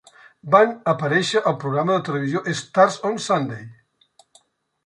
Van aparèixer al programa de televisió "Stars on Sunday".